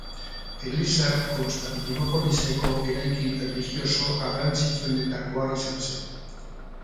Eliza Konstantinopoliseko eraikin erlijioso garrantzitsuetakoa izan zen.